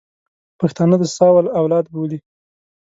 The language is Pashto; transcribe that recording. پښتانه د ساول اولاد بولي.